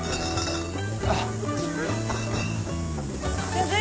先生